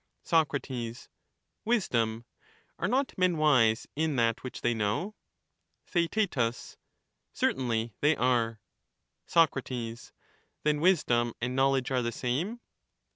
Soc, Wisdom ; are not men wise in that which they know ? TheaeL Certainly they are. li »s wis Soc. Then wisdom and knowledge are the same